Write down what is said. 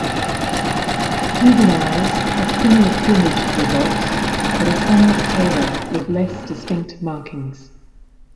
Juveniles have similar plumage to adults but are somewhat paler with less distinct markings.